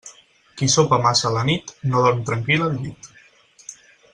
Qui sopa massa a la nit, no dorm tranquil al llit.